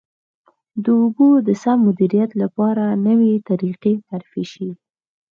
د اوبو د سم مدیریت لپاره نوې طریقې معرفي شي.